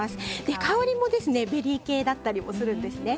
香りもベリー系だったりもするんですね。